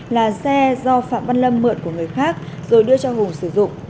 là xe do phạm văn lâm mượn của người khác rồi đưa cho hùng sử dụng